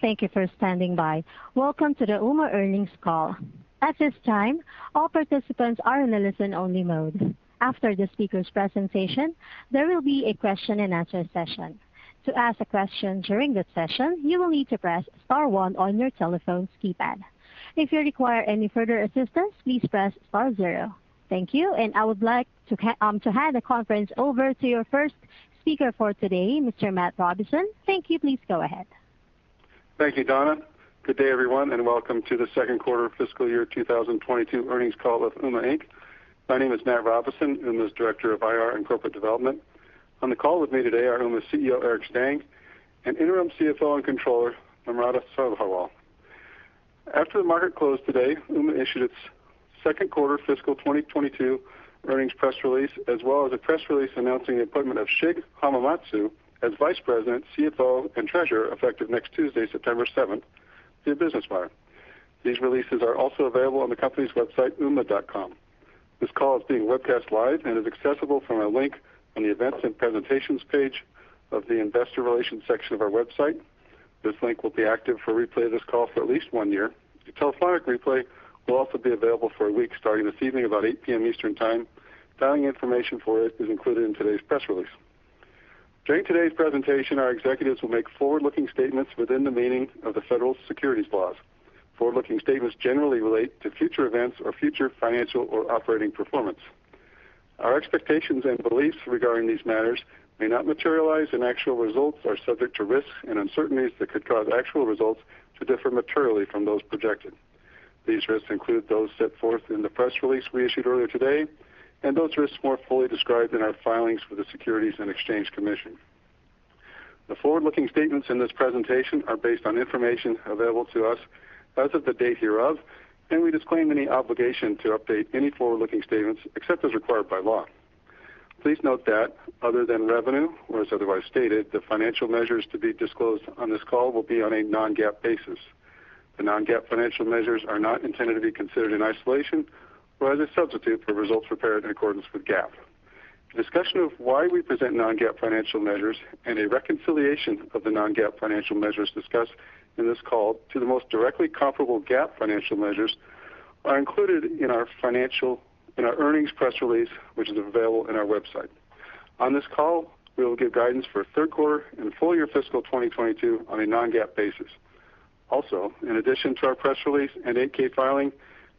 Thank you for standing by. Welcome to the Ooma earnings call. At this time, all participants are in listen-only mode. After the speaker's presentation, there will be a question and answer session. To ask a question during this session, you will need to press star one on your telephone keypad. If you require any further assistance, please press star zero. Thank you, and I would like to hand the conference over to your first speaker for today, Mr. Matt Robison. Thank you. Please go ahead. Thank you, Donna. Good day, everyone, and Welcome to the second quarter fiscal year 2022 earnings call with Ooma, Inc. My name is Matt S. Robison, Ooma's Director of IR and Corporate Development. On the call with me today are Ooma's CEO, Eric Stang, and Interim CFO and Controller, Namrata Sabharwal. After the market closed today, Ooma issued its second quarter fiscal 2022 earnings press release, as well as a press release announcing the appointment of Shig Hamamatsu as Vice President, CFO, and Treasurer, effective next Tuesday, September 7th, through Business Wire. These releases are also available on the company's website, ooma.com. This call is being webcast live and is accessible from a link on the Events and Presentations page of the Investor Relations section of our website. This link will be active for replay of this call for at least one year. The telephonic replay will also be available for a week starting this evening about 8:00 P.M. Eastern Time. Dialing information for it is included in today's press release. During today's presentation, our executives will make forward-looking statements within the meaning of the federal securities laws. Forward-looking statements generally relate to future events or future financial or operating performance. Our expectations and beliefs regarding these matters may not materialize, and actual results are subject to risks and uncertainties that could cause actual results to differ materially from those projected. These risks include those set forth in the press release we issued earlier today, and those risks more fully described in our filings with the Securities and Exchange Commission. The forward-looking statements in this presentation are based on information available to us as of the date hereof, and we disclaim any obligation to update any forward-looking statements except as required by law. Please note that other than revenue or as otherwise stated, the financial measures to be disclosed on this call will be on a non-GAAP basis. The non-GAAP financial measures are not intended to be considered in isolation or as a substitute for results prepared in accordance with GAAP. A discussion of why we present non-GAAP financial measures and a reconciliation of the non-GAAP financial measures discussed in this call to the most directly comparable GAAP financial measures are included in our earnings press release, which is available on our website. On this call, we will give guidance for third quarter and full year fiscal 2022 on a non-GAAP basis. In addition to our press release and 8-K filing,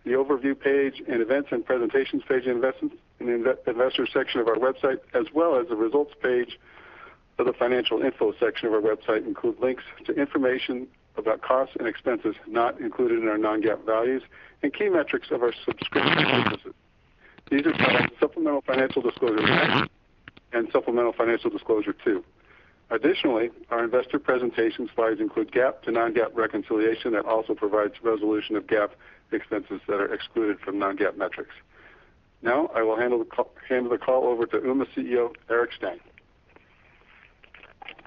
the Overview page and Events and Presentations page in the Investor section of our website, as well as the Results page of the Financial Info section of our website include links to information about costs and expenses not included in our non-GAAP values and key metrics of our subscription services. These are found in supplemental financial disclosure 1 and supplemental financial disclosure 2. Additionally, our investor presentation slides include GAAP to non-GAAP reconciliation that also provides resolution of GAAP expenses that are excluded from non-GAAP metrics. Now, I will hand the call over to Ooma CEO, Eric Stang.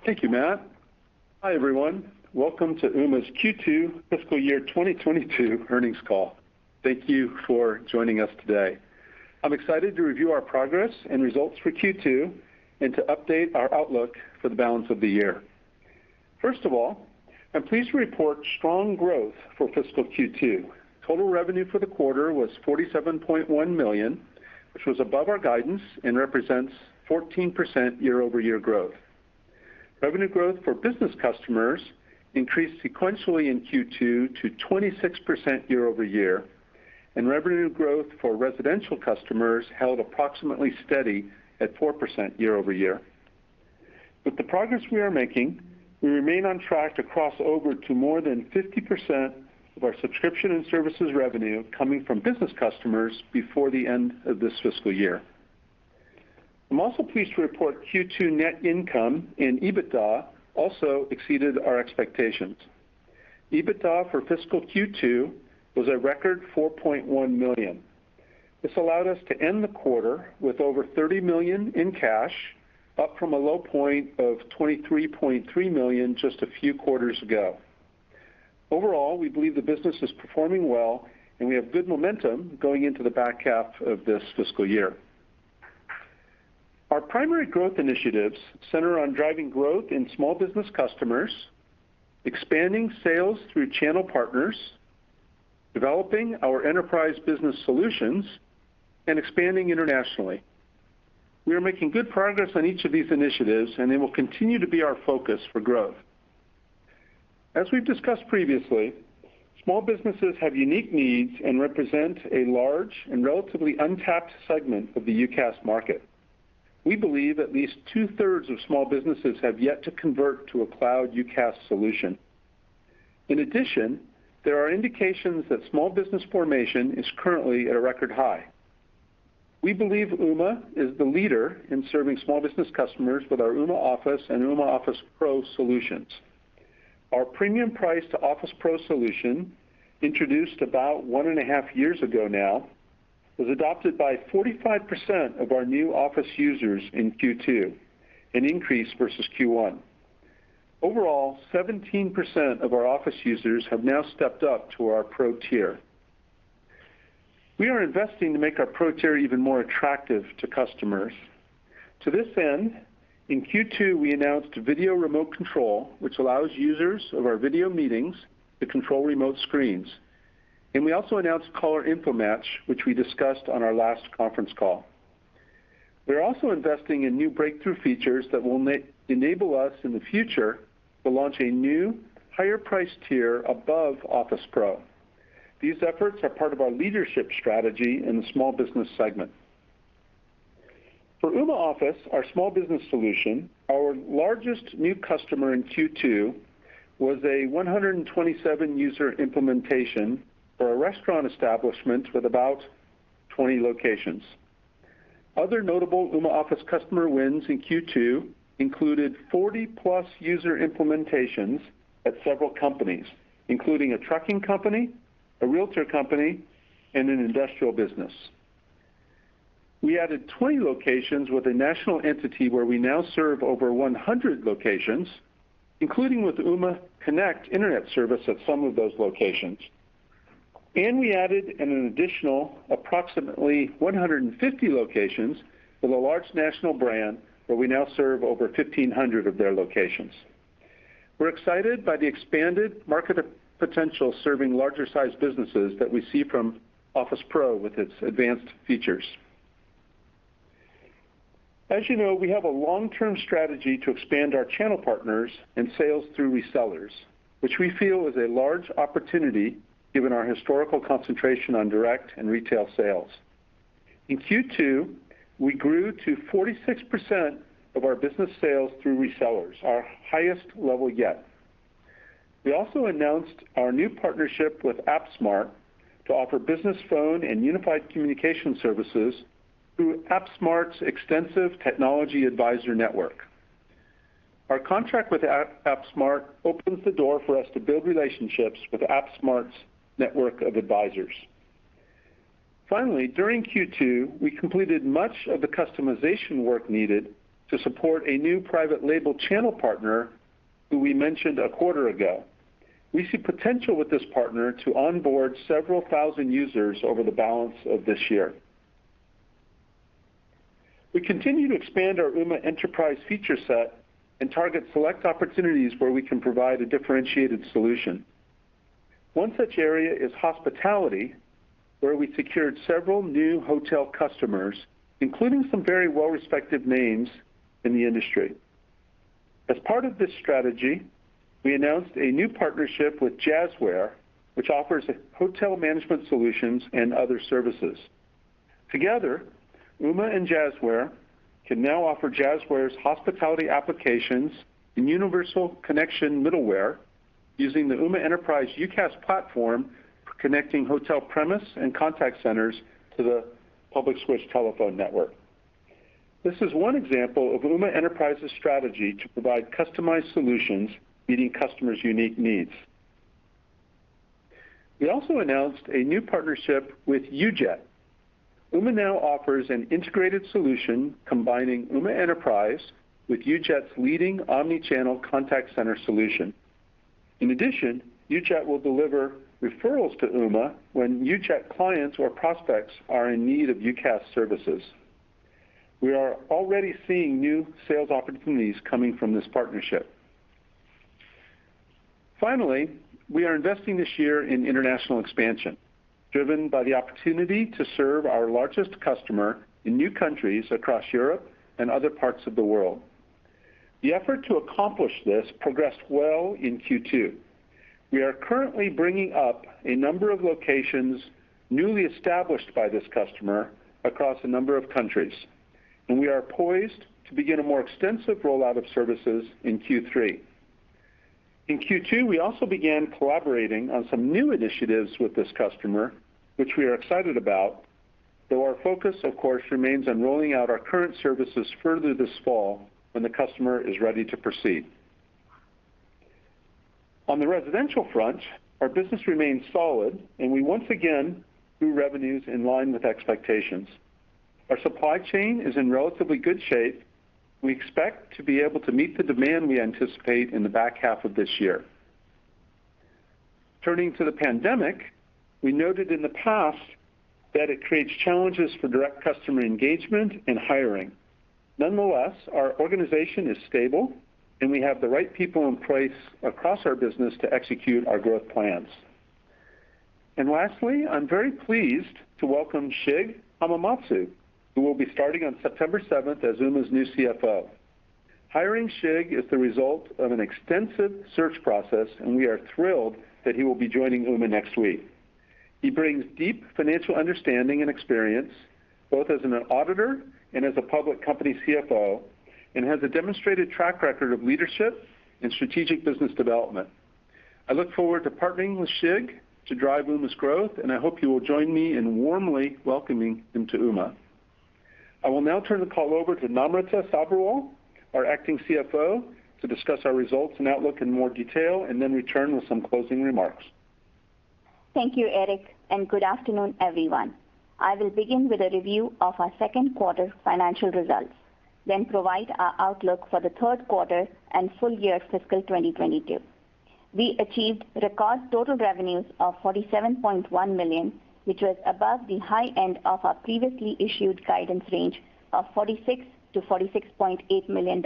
Thank you, Matt. Hi, everyone. Welcome to Ooma's Q2 fiscal year 2022 earnings call. Thank you for joining us today. I'm excited to review our progress and results for Q2 and to update our outlook for the balance of the year. First of all, I'm pleased to report strong growth for fiscal Q2. Total revenue for the quarter was $47.1 million, which was above our guidance and represents 14% year-over-year growth. Revenue growth for business customers increased sequentially in Q2 to 26% year-over-year, and revenue growth for residential customers held approximately steady at 4% year-over-year. With the progress we are making, we remain on track to cross over to more than 50% of our subscription and services revenue coming from business customers before the end of this fiscal year. I'm also pleased to report Q2 net income and EBITDA also exceeded our expectations. EBITDA for fiscal Q2 was a record $4.1 million. This allowed us to end the quarter with over $30 million in cash, up from a low point of $23.3 million just a few quarters ago. We believe the business is performing well, and we have good momentum going into the back half of this fiscal year. Our primary growth initiatives center on driving growth in small business customers, expanding sales through channel partners, developing our enterprise business solutions, and expanding internationally. We are making good progress on each of these initiatives, they will continue to be our focus for growth. As we've discussed previously, small businesses have unique needs and represent a large and relatively untapped segment of the UCaaS market. We believe at least two-thirds of small businesses have yet to convert to a cloud UCaaS solution. In addition, there are indications that small business formation is currently at a record high. We believe Ooma is the leader in serving small business customers with our Ooma Office and Ooma Office Pro solutions. Our premium price to Office Pro solution, introduced about one and a half years ago now, was adopted by 45% of our new Office users in Q2, an increase versus Q1. Overall, 17% of our Office users have now stepped up to our Pro tier. We are investing to make our Pro tier even more attractive to customers. To this end, in Q2, we announced video remote control, which allows users of our video meetings to control remote screens. We also announced Caller Info Match, which we discussed on our last conference call. We're also investing in new breakthrough features that will enable us in the future to launch a new, higher price tier above Office Pro. These efforts are part of our leadership strategy in the small business segment. For Ooma Office, our small business solution, our largest new customer in Q2 was a 127-user implementation for a restaurant establishment with about 20 locations. Other notable Ooma Office customer wins in Q2 included 40+ user implementations at several companies, including a trucking company, a realtor company, and an industrial business. We added 20 locations with a national entity where we now serve over 100 locations, including with Ooma Connect internet service at some of those locations. We added an additional approximately 150 locations with a large national brand where we now serve over 1,500 of their locations. We're excited by the expanded market potential serving larger-sized businesses that we see from Office Pro with its advanced features. As you know, we have a long-term strategy to expand our channel partners and sales through resellers, which we feel is a large opportunity given our historical concentration on direct and retail sales. In Q2, we grew to 46% of our business sales through resellers, our highest level yet. We also announced our new partnership with AppSmart to offer business phone and unified communication services through AppSmart's extensive technology advisor network. Our contract with AppSmart opens the door for us to build relationships with AppSmart's network of advisors. Finally, during Q2, we completed much of the customization work needed to support a new private label channel partner who we mentioned a quarter ago. We see potential with this partner to onboard several thousand users over the balance of this year. We continue to expand our Ooma Enterprise feature set and target select opportunities where we can provide a differentiated solution. One such area is hospitality, where we secured several new hotel customers, including some very well-respected names in the industry. As part of this strategy, we announced a new partnership with Jazzware, which offers hotel management solutions and other services. Together, Ooma and Jazzware can now offer Jazzware's hospitality applications in universal connection middleware using the Ooma Enterprise UCaaS platform for connecting hotel premise and contact centers to the Public Switched Telephone Network. This is one example of Ooma Enterprise's strategy to provide customized solutions meeting customers' unique needs. We also announced a new partnership with UJET. Ooma now offers an integrated solution combining Ooma Enterprise with UJET's leading omni-channel contact center solution. In addition, UJET will deliver referrals to Ooma when UJET clients or prospects are in need of UCaaS services. We are already seeing new sales opportunities coming from this partnership. Finally, we are investing this year in international expansion, driven by the opportunity to serve our largest customer in new countries across Europe and other parts of the world. The effort to accomplish this progressed well in Q2. We are currently bringing up a number of locations newly established by this customer across a number of countries, and we are poised to begin a more extensive rollout of services in Q3. In Q2, we also began collaborating on some new initiatives with this customer, which we are excited about, though our focus, of course, remains on rolling out our current services further this fall when the customer is ready to proceed. On the residential front, our business remains solid, and we once again grew revenues in line with expectations. Our supply chain is in relatively good shape. We expect to be able to meet the demand we anticipate in the back half of this year. Turning to the pandemic, we noted in the past that it creates challenges for direct customer engagement and hiring. Nonetheless, our organization is stable, and we have the right people in place across our business to execute our growth plans. Lastly, I'm very pleased to welcome Shig Hamamatsu, who will be starting on September 7th as Ooma's new CFO. Hiring Shig is the result of an extensive search process, and we are thrilled that he will be joining Ooma next week. He brings deep financial understanding and experience, both as an auditor and as a public company CFO, and has a demonstrated track record of leadership and strategic business development. I look forward to partnering with Shig to drive Ooma's growth, and I hope you will join me in warmly welcoming him to Ooma. I will now turn the call over to Namrata Sabharwal., our acting CFO, to discuss our results and outlook in more detail, and then return with some closing remarks. Thank you, Eric. Good afternoon, everyone. I will begin with a review of our second quarter financial results, then provide our outlook for the third quarter and full year fiscal 2022. We achieved record total revenues of $47.1 million, which was above the high end of our previously issued guidance range of $46 million-$46.8 million.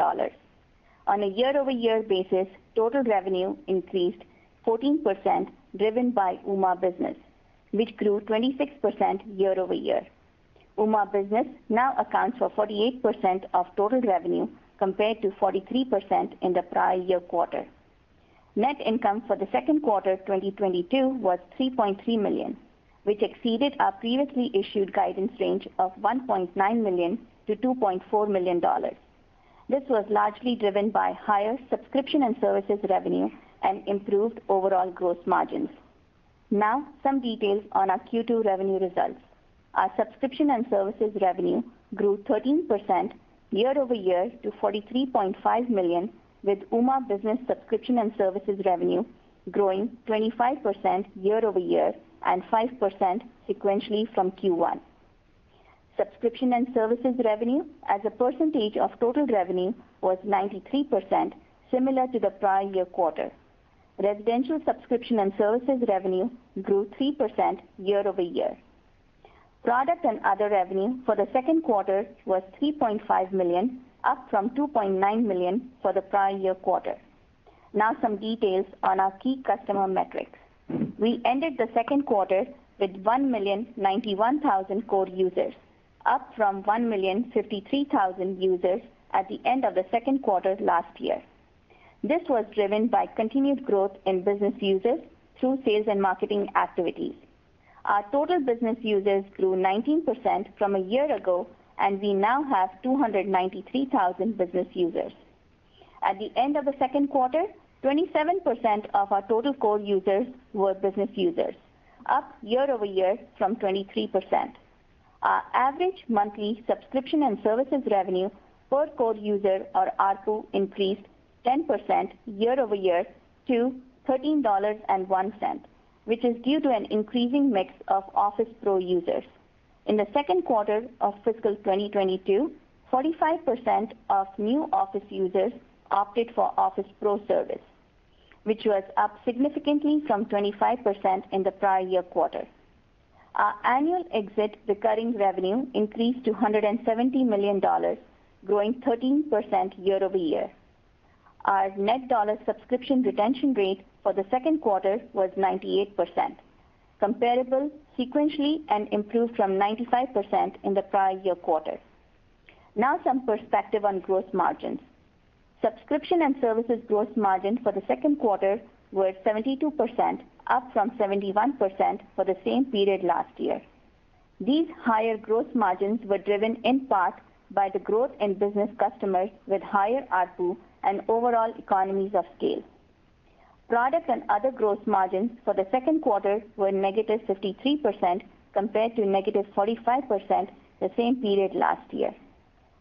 On a year-over-year basis, total revenue increased 14%, driven by Ooma business, which grew 26% year-over-year. Ooma business now accounts for 48% of total revenue, compared to 43% in the prior year quarter. Net income for the second quarter 2022 was $3.3 million, which exceeded our previously issued guidance range of $1.9 million-$2.4 million. This was largely driven by higher subscription and services revenue and improved overall gross margins. Some details on our Q2 revenue results. Our subscription and services revenue grew 13% year-over-year to $43.5 million, with Ooma business subscription and services revenue growing 25% year-over-year and 5% sequentially from Q1. Subscription and services revenue as a percentage of total revenue was 93%, similar to the prior year quarter. Residential subscription and services revenue grew 3% year-over-year. Product and other revenue for the second quarter was $3.5 million, up from $2.9 million for the prior year quarter. Now some details on our key customer metrics. We ended the second quarter with 1,091,000 core users, up from 1,053,000 users at the end of the second quarter last year. This was driven by continued growth in business users through sales and marketing activities. Our total business users grew 19% from a year ago, and we now have 293,000 business users. At the end of the second quarter, 27% of our total core users were business users, up year-over-year from 23%. Our average monthly subscription and services revenue per core user, or ARPU, increased 10% year-over-year to $13.01, which is due to an increasing mix of Office Pro users. In the second quarter of fiscal 2022, 45% of new Office users opted for Office Pro service, which was up significantly from 25% in the prior year quarter. Our annual exit recurring revenue increased to $170 million, growing 13% year-over-year. Our net dollar subscription retention rate for the second quarter was 98%, comparable sequentially and improved from 95% in the prior year quarter. Now some perspective on gross margins. Subscription and services gross margins for the second quarter were 72%, up from 71% for the same period last year. These higher gross margins were driven in part by the growth in business customers with higher ARPU and overall economies of scale. Product and other gross margins for the second quarter were -53%, compared to -45% the same period last year.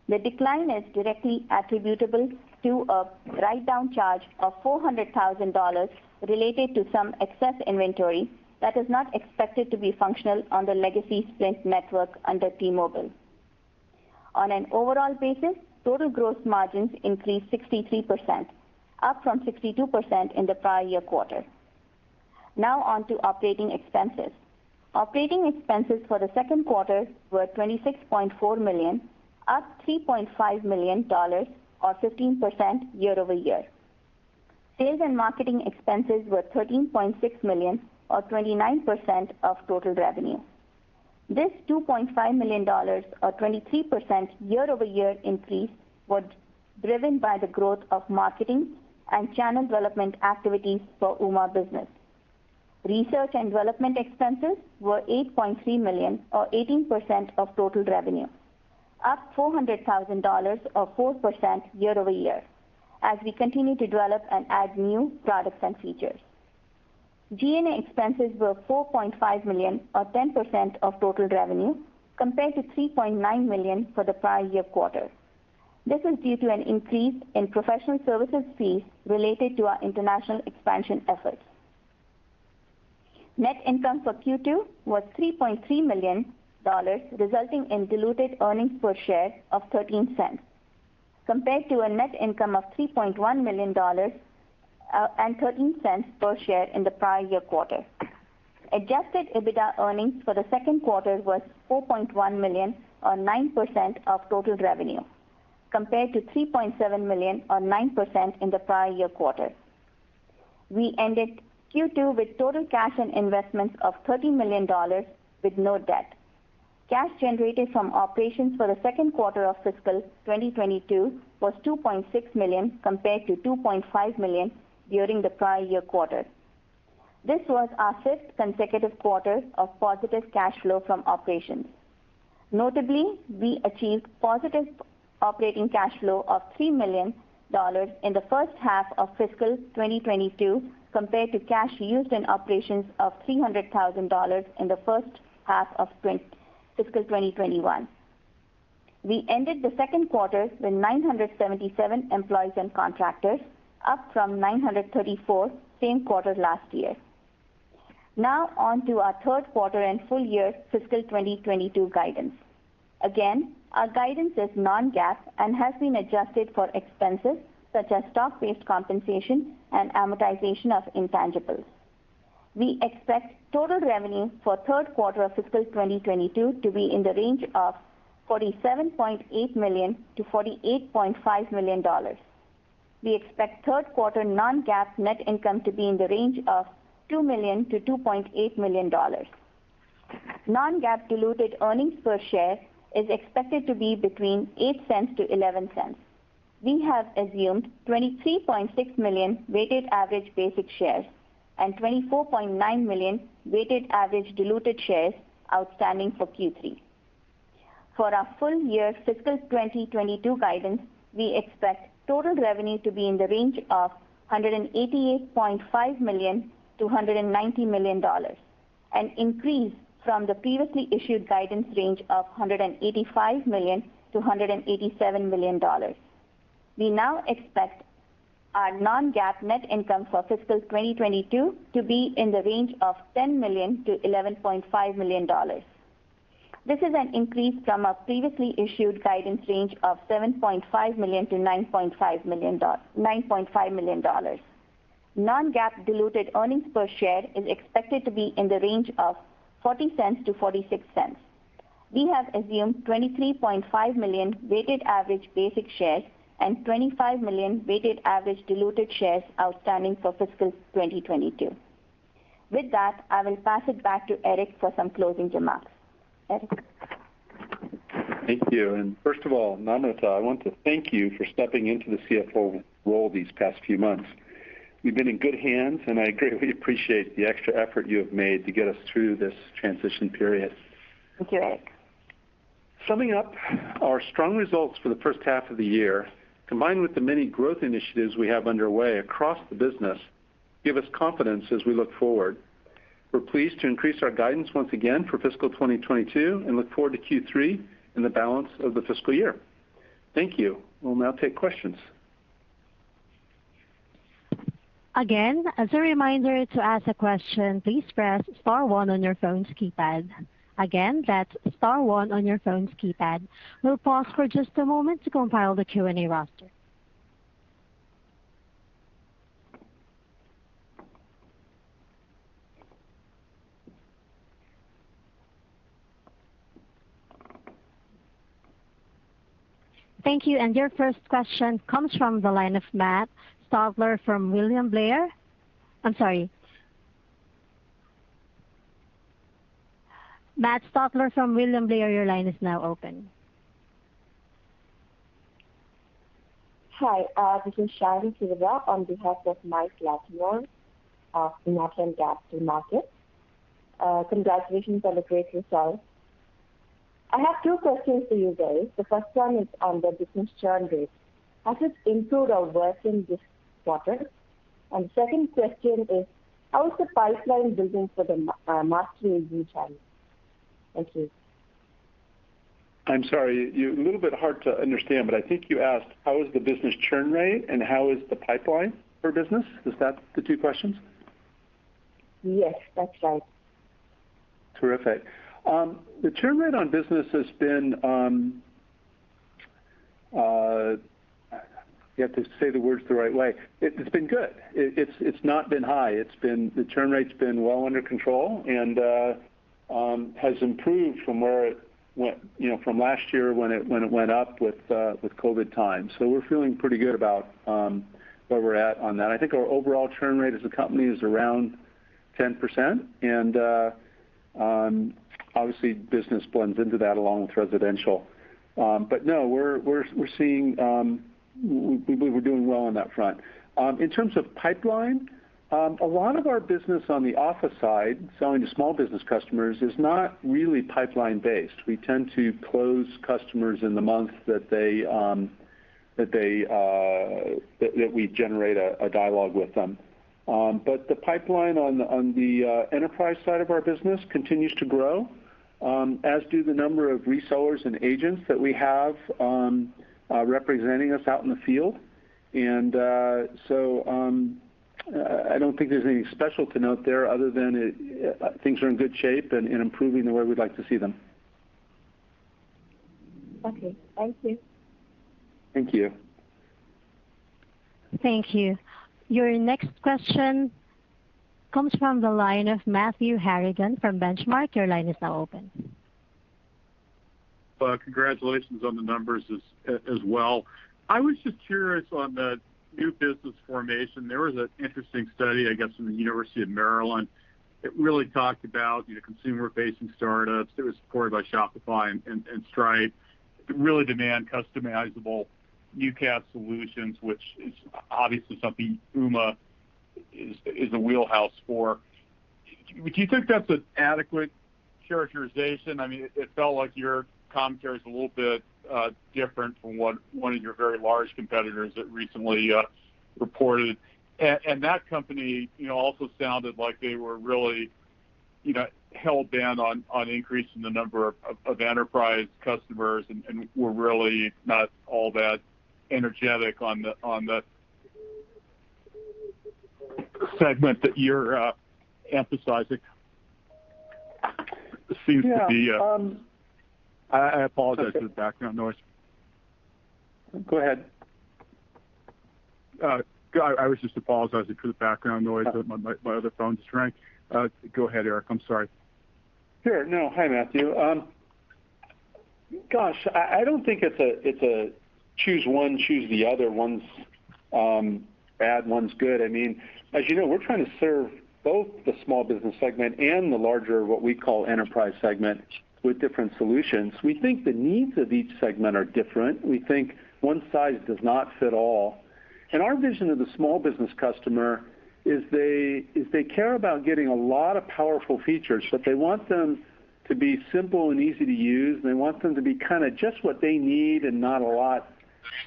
The decline is directly attributable to a write-down charge of $400,000 related to some excess inventory that is not expected to be functional on the legacy Sprint network under T-Mobile. On an overall basis, total gross margins increased 63%, up from 62% in the prior year quarter. Now on to operating expenses. Operating expenses for the second quarter were $26.4 million, up $3.5 million, or 15%, year-over-year. Sales and marketing expenses were $13.6 million, or 29%, of total revenue. This $2.5 million, or 23%, year-over-year increase was driven by the growth of marketing and channel development activities for Ooma business. Research and development expenses were $8.3 million, or 18%, of total revenue, up $400,000, or 4%, year-over-year, as we continue to develop and add new products and features. G&A expenses were $4.5 million, or 10%, of total revenue, compared to $3.9 million for the prior year quarter. This is due to an increase in professional services fees related to our international expansion efforts. Net income for Q2 was $3.3 million, resulting in diluted earnings per share of $0.13, compared to a net income of $3.1 million and $0.13 per share in the prior year quarter. Adjusted EBITDA earnings for the second quarter was $4.1 million, or 9%, of total revenue, compared to $3.7 million, or 9%, in the prior year quarter. We ended Q2 with total cash and investments of $30 million, with no debt. Cash generated from operations for the second quarter of fiscal 2022 was $2.6 million, compared to $2.5 million during the prior year quarter. This was our fifth consecutive quarter of positive cash flow from operations. Notably, we achieved positive operating cash flow of $3 million in the first half of fiscal 2022, compared to cash used in operations of $300,000 in the first half of fiscal 2021. We ended the second quarter with 977 employees and contractors, up from 934 same quarter last year. On to our third quarter and full year fiscal 2022 guidance. Our guidance is non-GAAP and has been adjusted for expenses such as stock-based compensation and amortization of intangibles. We expect total revenue for third quarter of fiscal 2022 to be in the range of $47.8 million-$48.5 million. We expect third quarter non-GAAP net income to be in the range of $2 million-$2.8 million. Non-GAAP diluted earnings per share is expected to be between $0.08-$0.11. We have assumed 23.6 million weighted average basic shares and 24.9 million weighted average diluted shares outstanding for Q3. For our full year fiscal 2022 guidance, we expect total revenue to be in the range of $188.5 million-$190 million, an increase from the previously issued guidance range of $185 million-$187 million. We now expect our non-GAAP net income for fiscal 2022 to be in the range of $10 million-$11.5 million. This is an increase from our previously issued guidance range of $7.5 million-$9.5 million. Non-GAAP diluted earnings per share is expected to be in the range of $0.40-$0.46. We have assumed 23.5 million weighted average basic shares and 25 million weighted average diluted shares outstanding for fiscal 2022. With that, I will pass it back to Eric for some closing remarks. Eric? Thank you. First of all, Namrata, I want to thank you for stepping into the CFO role these past few months. We've been in good hands, and I greatly appreciate the extra effort you have made to get us through this transition period. Thank you, Eric. Summing up, our strong results for the first half of the year, combined with the many growth initiatives we have underway across the business, give us confidence as we look forward. We're pleased to increase our guidance once again for fiscal 2022, and look forward to Q3 and the balance of the fiscal year. Thank you. We'll now take questions. Again, as a reminder, to ask a question, please press star one on your phone's keypad. Again, that's star one on your phone's keypad. We'll pause for just a moment to compile the Q&A roster. Thank you. Your first question comes from the line of Matt Stotler from William Blair. I'm sorry. Matt Stotler from William Blair, your line is now open. Hi, this is Sharon Kiruba on behalf of Mike Latimore of Northland Capital Markets. Congratulations on the great results. I have two questions for you guys. The first one is on the business churn rate. Has it improved or worsened this quarter? Second question is, how is the pipeline business for the master agency channel? Thank you. I'm sorry, you're a little bit hard to understand, but I think you asked, how is the business churn rate and how is the pipeline for business? Is that the two questions? Yes, that's right. Terrific. The churn rate on business has been, you have to say the words the right way. It's been good. It's not been high. The churn rate's been well under control and has improved from last year when it went up with COVID times. We're feeling pretty good about where we're at on that. I think our overall churn rate as a company is around 10%, and obviously business blends into that along with residential. No, we believe we're doing well on that front. In terms of pipeline, a lot of our business on the office side, selling to small business customers, is not really pipeline based. We tend to close customers in the month that we generate a dialogue with them. The pipeline on the enterprise side of our business continues to grow, as do the number of resellers and agents that we have representing us out in the field. I don't think there's anything special to note there other than things are in good shape and improving the way we'd like to see them. Okay. Thank you. Thank you. Thank you. Your next question comes from the line of Matthew Harrigan from Benchmark. Your line is now open. Well, congratulations on the numbers as well. I was just curious on the new business formation. There was an interesting study, I guess, from the University of Maryland. It really talked about consumer-facing startups. It was supported by Shopify and Stripe. It really demand customizable UCaaS solutions, which is obviously something Ooma is a wheelhouse for. Do you think that's an adequate characterization? It felt like your commentary is a little bit different from one of your very large competitors that recently reported. That company also sounded like they were really held down on increasing the number of enterprise customers, and we're really not all that energetic on the segment that you're emphasizing. Yeah. I apologize for the background noise. Go ahead. I was just apologizing for the background noise of my other phone just rang. Go ahead, Eric, I'm sorry. Sure. No. Hi, Matthew. Gosh, I don't think it's a choose one, choose the other, one's bad, one's good. As you know, we're trying to serve both the small business segment and the larger, what we call enterprise segment, with different solutions. We think the needs of each segment are different. We think one size does not fit all. Our vision of the small business customer is they care about getting a lot of powerful features, but they want them to be simple and easy to use, and they want them to be kind of just what they need and not a lot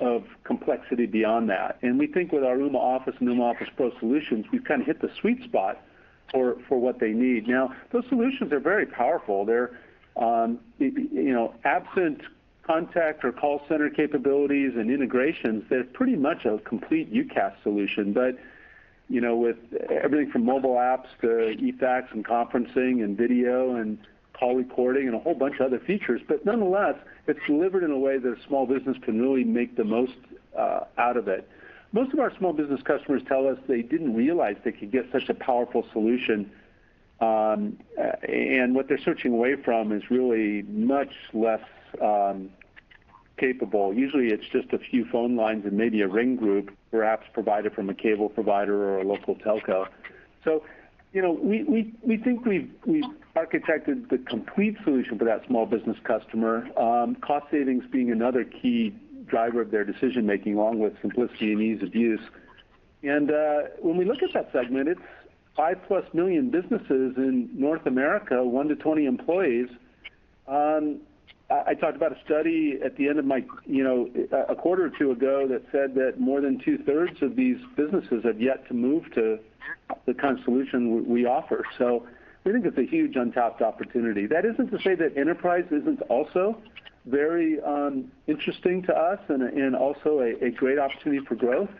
of complexity beyond that. We think with our Ooma Office and Ooma Office Pro solutions, we've kind of hit the sweet spot for what they need. Now, those solutions are very powerful. They're absent contact or call center capabilities and integrations, they're pretty much a complete UCaaS solution. With everything from mobile apps to eFax and conferencing and video and call recording and a whole bunch of other features. Nonetheless, it's delivered in a way that a small business can really make the most out of it. Most of our small business customers tell us they didn't realize they could get such a powerful solution. What they're switching away from is really much less capable. Usually it's just a few phone lines and maybe a ring group, perhaps provided from a cable provider or a local telco. We think we've architected the complete solution for that small business customer, cost savings being another key driver of their decision-making, along with simplicity and ease of use. When we look at that segment, it's 5+ million businesses in North America, one to 20 employees. I talked about a study a quarter or two ago that said that more than two-thirds of these businesses have yet to move to the kind of solution we offer. We think it's a huge untapped opportunity. That isn't to say that Enterprise isn't also very interesting to us and also a great opportunity for growth.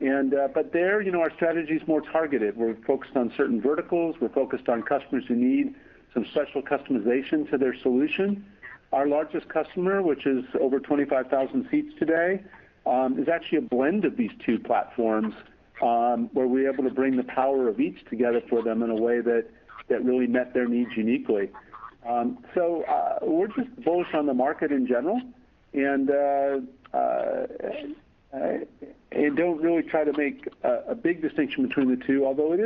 There, our strategy's more targeted. We're focused on certain verticals. We're focused on customers who need some special customization to their solution. Our largest customer, which is over 25,000 seats today, is actually a blend of these two platforms, where we're able to bring the power of each together for them in a way that really met their needs uniquely. We're just bullish on the market in general, and don't really try to make a big distinction between the two. Although it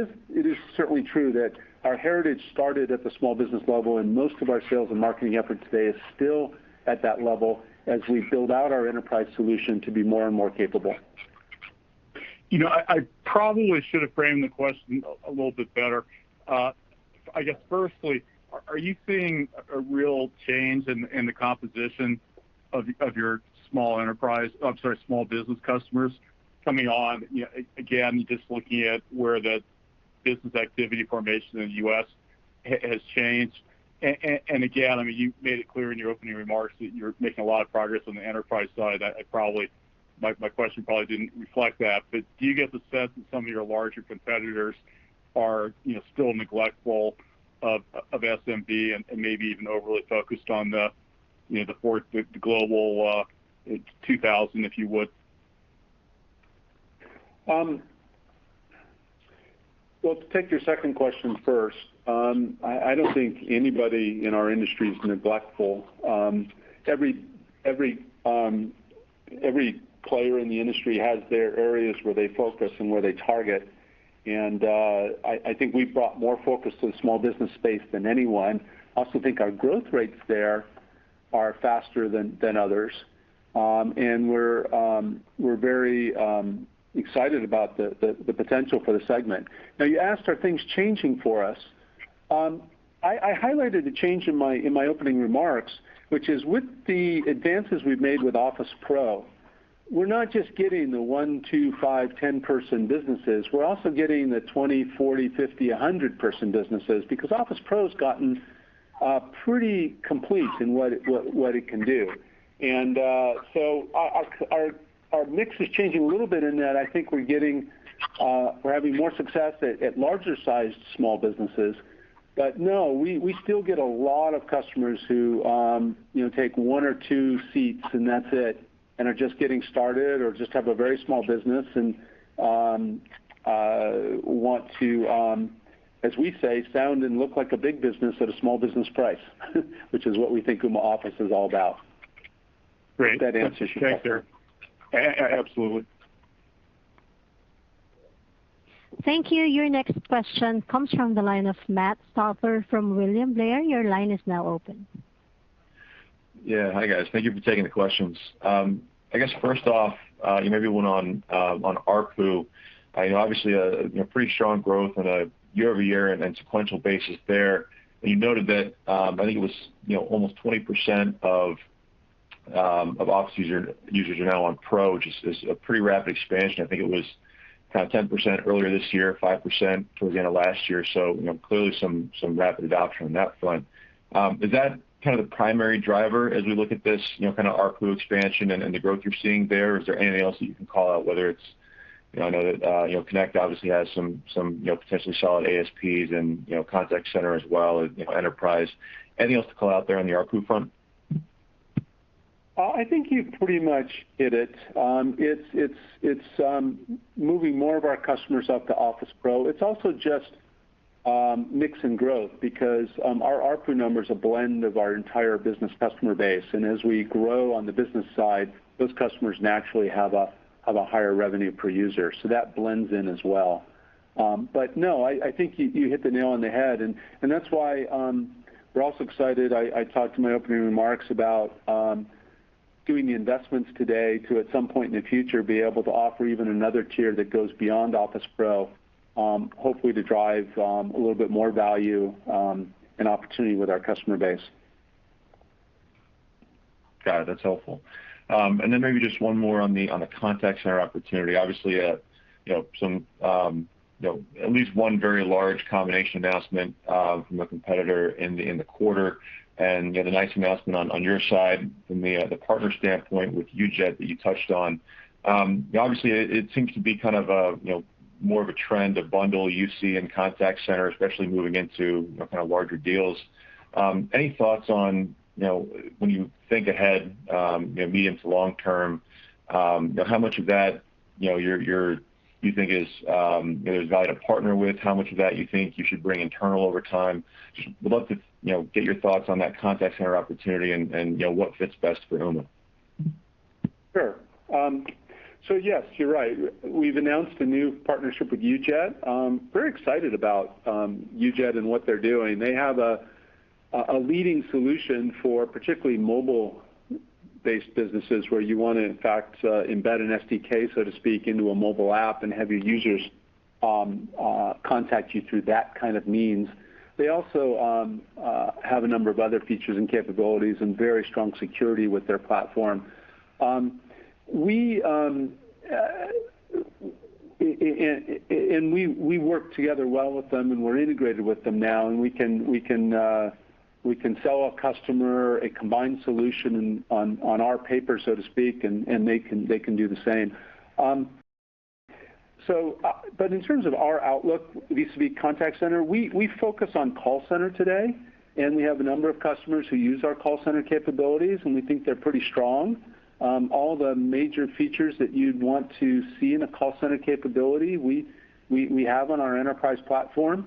is certainly true that our heritage started at the small business level, and most of our sales and marketing effort today is still at that level as we build out our enterprise solution to be more and more capable. I probably should've framed the question a little bit better. I guess firstly, are you seeing a real change in the composition of your small business customers coming on? Again, just looking at where the business activity formation in the U.S. has changed. Again, you made it clear in your opening remarks that you're making a lot of progress on the enterprise side. My question probably didn't reflect that, do you get the sense that some of your larger competitors are still neglectful of SMB and maybe even overly focused on the Global 2000, if you would? To take your second question first, I don't think anybody in our industry is neglectful. Every player in the industry has their areas where they focus and where they target, I think we've brought more focus to the small business space than anyone. I also think our growth rates there are faster than others. We're very excited about the potential for the segment. You asked are things changing for us. I highlighted a change in my opening remarks, which is with the advances we've made with Office Pro, we're not just getting the one, two, five, 10-person businesses. We're also getting the 20, 40, 50, 100-person businesses because Office Pro's gotten pretty complete in what it can do. Our mix is changing a little bit in that I think we're having more success at larger-sized small businesses. No, we still get a lot of customers who take one or two seats and that's it, and are just getting started or just have a very small business and want to, as we say, sound and look like a big business at a small business price, which is what we think Ooma Office is all about. Great. If that answers your question. Thanks, Eric. Absolutely. Thank you. Your next question comes from the line of Matt Stotler from William Blair. Your line is now open. Yeah. Hi, guys. Thank you for taking the questions. First off, maybe one on ARPU. Obviously, a pretty strong growth on a year-over-year and sequential basis there. You noted that, I think it was almost 20% of Ooma Office users are now on Ooma Office Pro, which is a pretty rapid expansion. I think it was 10% earlier this year, 5% towards the end of last year. Clearly, some rapid adoption on that front. Is that the primary driver as we look at this ARPU expansion and the growth you're seeing there? Is there anything else that you can call out, whether it's I know that Ooma Connect obviously has some potentially solid ASPs and contact center as well as Ooma Enterprise. Anything else to call out there on the ARPU front? I think you've pretty much hit it. It's moving more of our customers up to Office Pro. It's also just mix and growth because our ARPU number is a blend of our entire business customer base, and as we grow on the business side, those customers naturally have a higher revenue per user. That blends in as well. No, I think you hit the nail on the head, and that's why we're also excited, I talked in my opening remarks about doing the investments today to, at some point in the future, be able to offer even another tier that goes beyond Office Pro, hopefully to drive a little bit more value, and opportunity with our customer base. Got it. That's helpful. Then maybe just one more on the contact center opportunity. Obviously, at least one very large combination announcement from a competitor in the quarter, and you had a nice announcement on your side from the partner standpoint with UJET that you touched on. Obviously, it seems to be more of a trend, a bundle you see in contact centers, especially moving into larger deals. Any thoughts on when you think ahead, medium to long term, how much of that you think there's value to partner with? How much of that you think you should bring internal over time? Would love to get your thoughts on that contact center opportunity and what fits best for Ooma. Sure. Yes, you're right. We've announced a new partnership with UJET. Very excited about UJET and what they're doing. They have a leading solution for particularly mobile-based businesses where you want to, in fact, embed an SDK, so to speak, into a mobile app and have your users contact you through that kind of means. They also have a number of other features and capabilities and very strong security with their platform. We work together well with them, and we're integrated with them now, and we can sell a customer a combined solution on our paper, so to speak, and they can do the same. In terms of our outlook vis-à-vis contact center, we focus on call center today, and we have a number of customers who use our call center capabilities, and we think they're pretty strong. All the major features that you'd want to see in a call center capability, we have on our enterprise platform.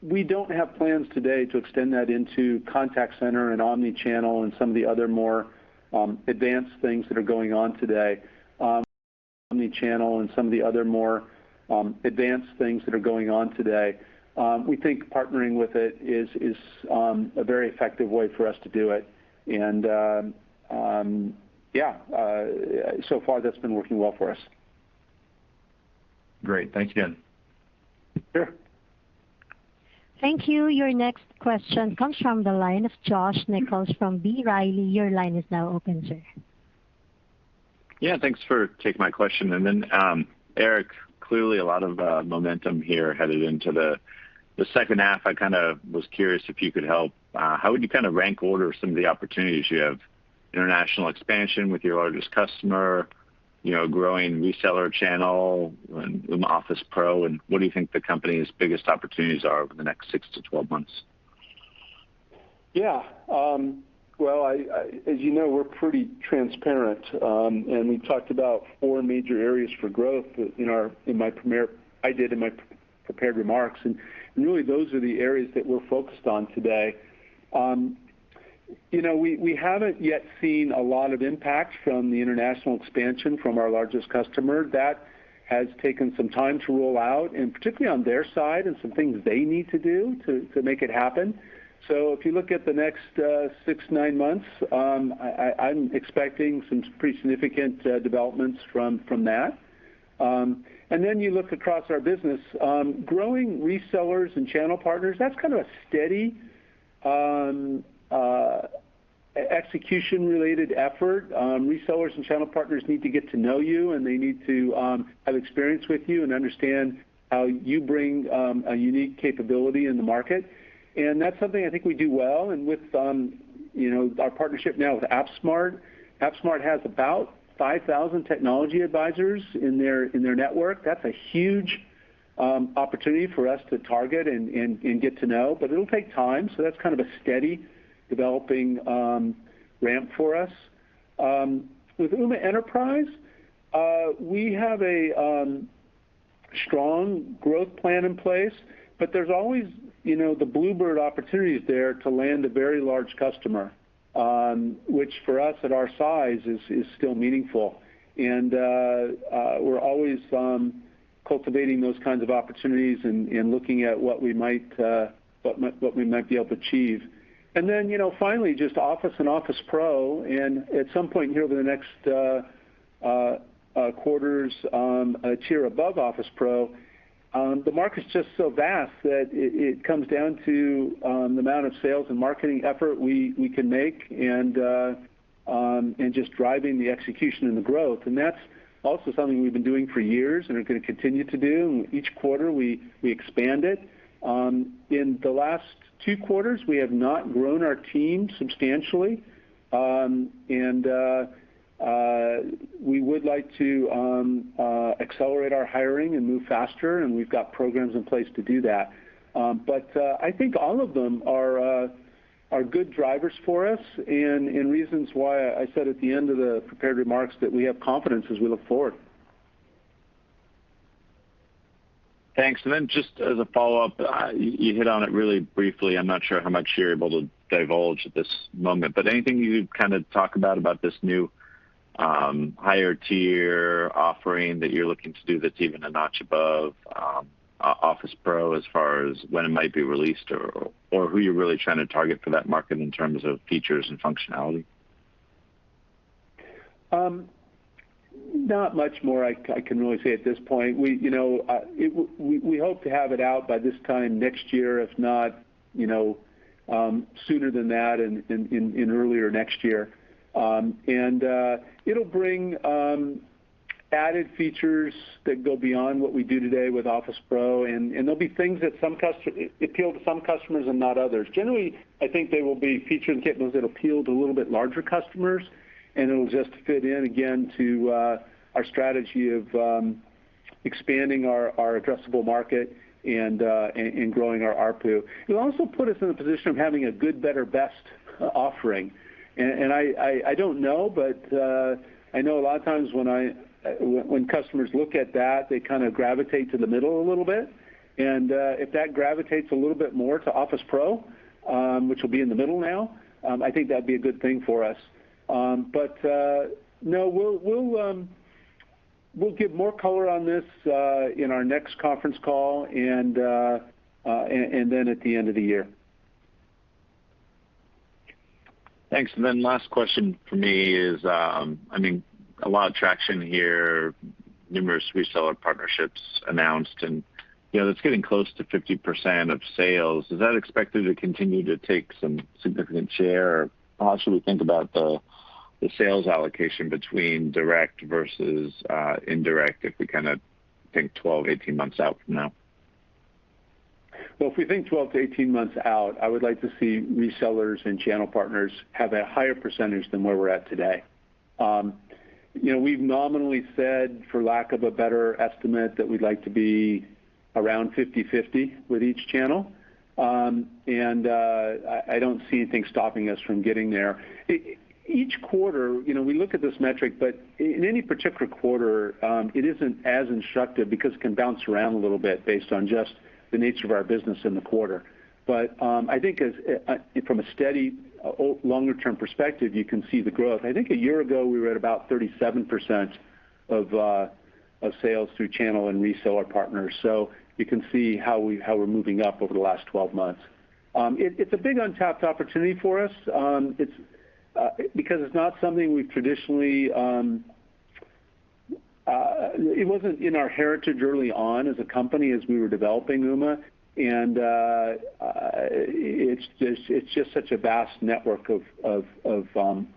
We don't have plans today to extend that into contact center and omni-channel and some of the other more advanced things that are going on today. We think partnering with it is a very effective way for us to do it. So far that's been working well for us. Great. Thanks again. Sure. Thank you. Your next question comes from the line of Josh Nichols from B. Riley. Your line is now open, sir. Yeah. Thanks for taking my question. Eric, clearly a lot of momentum here headed into the second half. I was curious if you could help. How would you rank order some of the opportunities you have, international expansion with your largest customer, growing reseller channel and Ooma Office Pro, and what do you think the company's biggest opportunities are over the next six to 12 months? Yeah. Well, as you know, we're pretty transparent. We've talked about four major areas for growth I did in my prepared remarks, really those are the areas that we're focused on today. We haven't yet seen a lot of impact from the international expansion from our largest customer. That has taken some time to roll out, particularly on their side and some things they need to do to make it happen. If you look at the next six, nine months, I'm expecting some pretty significant developments from that. You look across our business. Growing resellers and channel partners, that's kind of a steady execution-related effort. Resellers and channel partners need to get to know you, they need to have experience with you and understand how you bring a unique capability in the market. That's something I think we do well. With our partnership now with AppSmart has about 5,000 technology advisors in their network. That's a huge opportunity for us to target and get to know. It'll take time. That's kind of a steady developing ramp for us. With Ooma Enterprise, we have a strong growth plan in place, but there's always the bluebird opportunities there to land a very large customer, which for us at our size is still meaningful. We're always cultivating those kinds of opportunities and looking at what we might be able to achieve. Finally, just Office and Office Pro, and at some point here over the next quarters on a tier above Office Pro. The market's just so vast that it comes down to the amount of sales and marketing effort we can make and just driving the execution and the growth. That's also something we've been doing for years and are going to continue to do, and each quarter we expand it. In the last two quarters, we have not grown our team substantially. We would like to accelerate our hiring and move faster, and we've got programs in place to do that. I think all of them are good drivers for us and reasons why I said at the end of the prepared remarks that we have confidence as we look forward. Thanks. Just as a follow-up, you hit on it really briefly. I'm not sure how much you're able to divulge at this moment, anything you could talk about this new higher tier offering that you're looking to do that's even a notch above Ooma Office Pro as far as when it might be released or who you're really trying to target for that market in terms of features and functionality? Not much more I can really say at this point. We hope to have it out by this time next year, if not sooner than that in earlier next year. It'll bring added features that go beyond what we do today with Office Pro, and there'll be things that appeal to some customers and not others. Generally, I think they will be feature and capabilities that appeal to a little bit larger customers, and it'll just fit in, again, to our strategy of expanding our addressable market and growing our ARPU. It'll also put us in a position of having a good, better, best offering. I don't know, but I know a lot of times when customers look at that, they gravitate to the middle a little bit. If that gravitates a little bit more to Ooma Office Pro, which will be in the middle now, I think that'd be a good thing for us. We'll give more color on this in our next conference call and then at the end of the year. Thanks. Last question from me is, a lot of traction here, numerous reseller partnerships announced, and that's getting close to 50% of sales. Is that expected to continue to take some significant share, or how should we think about the sales allocation between direct versus indirect if we think 12, 18 months out from now? Well, if we think 12 to 18 months out, I would like to see resellers and channel partners have a higher percentage than where we're at today. We've nominally said, for lack of a better estimate, that we'd like to be around 50/50 with each channel. I don't see anything stopping us from getting there. Each quarter, we look at this metric, but in any particular quarter, it isn't as instructive because it can bounce around a little bit based on just the nature of our business in the quarter. I think from a steady, longer term perspective, you can see the growth. I think a year ago, we were at about 37% of sales through channel and reseller partners. You can see how we're moving up over the last 12 months. It's a big untapped opportunity for us because it's not something we've traditionally. It wasn't in our heritage early on as a company as we were developing Ooma, and it's just such a vast network of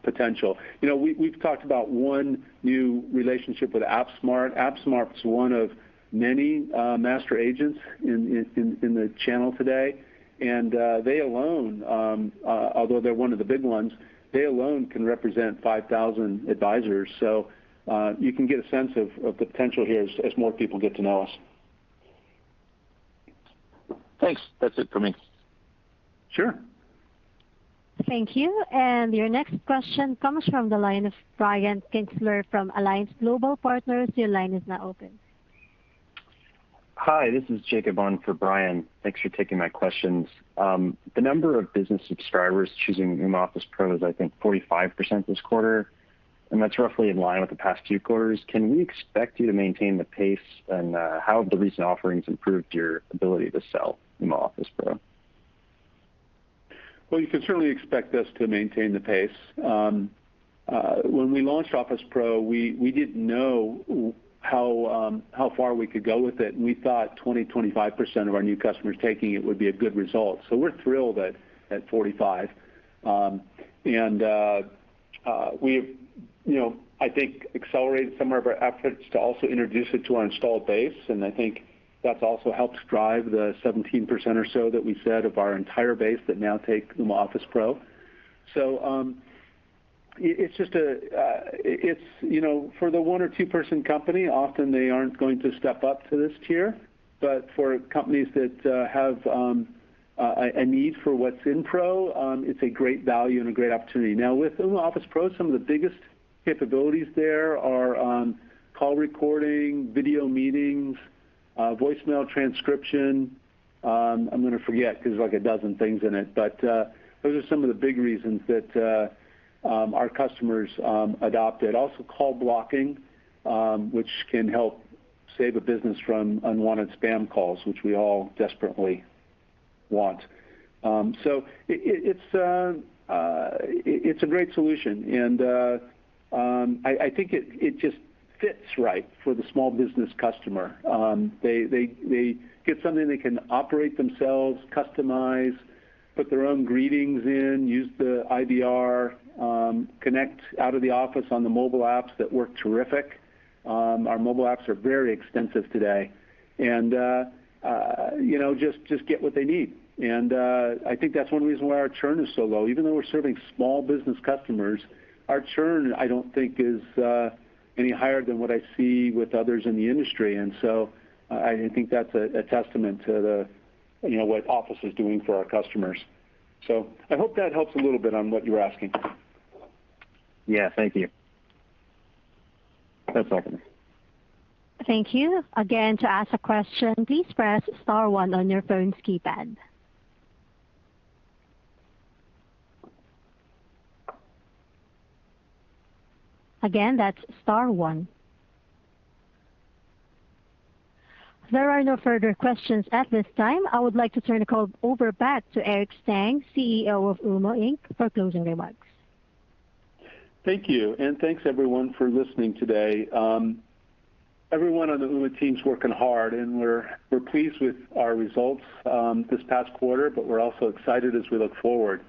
potential. We've talked about one new relationship with AppSmart. AppSmart is one of many master agents in the channel today. They alone, although they're one of the big ones, they alone can represent 5,000 advisors. You can get a sense of the potential here as more people get to know us. Thanks. That's it for me. Sure. Thank you. Your next question comes from the line of Brian Kinstlinger from Alliance Global Partners. Your line is now open. Hi, this is Jacob on for Brian. Thanks for taking my questions. The number of business subscribers choosing Ooma Office Pro is, I think, 45% this quarter, and that's roughly in line with the past few quarters. Can we expect you to maintain the pace, and how have the recent offerings improved your ability to sell Ooma Office Pro? Well, you can certainly expect us to maintain the pace. When we launched Ooma Office Pro, we didn't know how far we could go with it, and we thought 20%-25% of our new customers taking it would be a good result. We're thrilled at 45%. We've, I think, accelerated some of our efforts to also introduce it to our installed base, and I think that's also helps drive the 17% or so that we said of our entire base that now take Ooma Office Pro. It's for the 1 or 2 person company, often they aren't going to step up to this tier. For companies that have a need for what's in Pro, it's a great value and a great opportunity. With Ooma Office Pro, some of the biggest capabilities there are call recording, video meetings, voicemail transcription. I'm going to forget because there's like 12 things in it. Those are some of the big reasons that our customers adopt it. Also call blocking, which can help save a business from unwanted spam calls, which we all desperately want. It's a great solution, and I think it just fits right for the small business customer. They get something they can operate themselves, customize, put their own greetings in, use the IVR, connect out of the office on the mobile apps that work terrific. Our mobile apps are very extensive today. Just get what they need. I think that's one reason why our churn is so low. Even though we're serving small business customers, our churn, I don't think, is any higher than what I see with others in the industry. I think that's a testament to what Office is doing for our customers. I hope that helps a little bit on what you were asking. Yeah. Thank you. That's all for me. Thank you. Again, to ask a question, please press star one on your phone's keypad. Again, that's star one. There are no further questions at this time. I would like to turn the call over back to Eric Stang, CEO of Ooma, Inc., for closing remarks. Thank you. Thanks everyone for listening today. Everyone on the Ooma team's working hard, and we're pleased with our results this past quarter, but we're also excited as we look forward.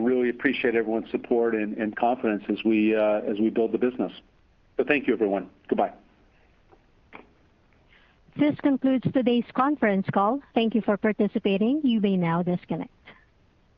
Really appreciate everyone's support and confidence as we build the business. Thank you everyone. Goodbye. This concludes today's conference call. Thank you for participating. You may now disconnect.